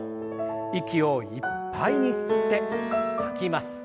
息をいっぱいに吸って吐きます。